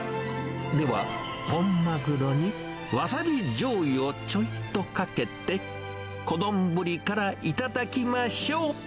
では、本マグロにワサビじょうゆをちょいっとかけて、小丼からいただきましょう。